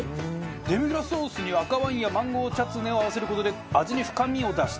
デミグラスソースに赤ワインやマンゴーチャツネを合わせる事で味に深みを出した。